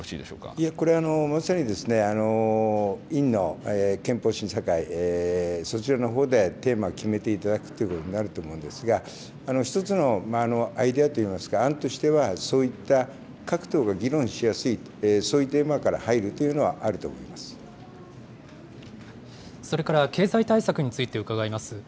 いや、これはまさにですね、院の憲法審査会、そちらのほうでテーマ決めていただくということになると思うんですが、１つのアイデアといいますか、案としては、そういった各党が議論しやすい、そういうテーマから入るというのそれから経済対策について伺います。